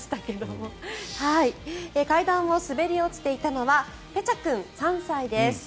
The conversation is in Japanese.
階段を滑り落ちていたのはぺちゃ君、３歳です。